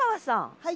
はい。